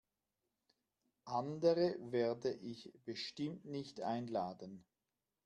Andre werde ich bestimmt nicht einladen.